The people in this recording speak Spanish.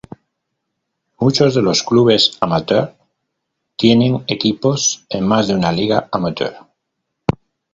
Muchos de los clubes amateurs tienen equipos en más de una liga amateur.